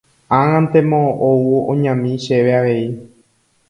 ag̃antemo ou oñami chéve avei.